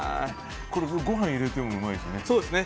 ご飯入れてもうまいですよね。